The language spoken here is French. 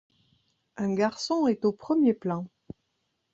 Un garçon est au premier plan.